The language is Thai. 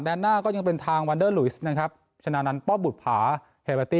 แดนหน้าก็ยังเป็นทางนะครับฉะนั้นป้อบบุดผาเฮบัตติ